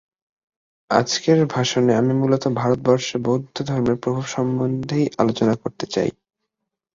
আজকের ভাষণে আমি মূলত ভারতবর্ষে বৌদ্ধধর্মের প্রভাব সম্বন্ধেই আলোচনা করতে চাই।